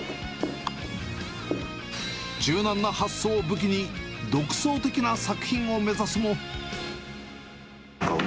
柔軟な発想を武器に、独創的な作品を目指すも。